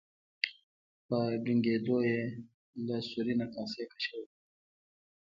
په ډونګیدو یې له سوري نه کاسې کشولې.